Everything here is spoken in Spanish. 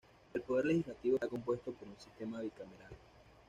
El poder legislativo está compuesto por un sistema bicameral.